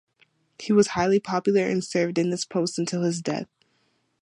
He was highly popular and served in this post until his death.